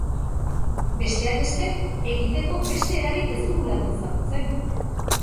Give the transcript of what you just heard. Besteak beste, egiteko beste erarik ez dugulako ezagutzen.